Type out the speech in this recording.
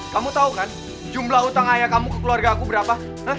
kamu tau kan jumlah utang ayah kamu ke keluarga aku berapa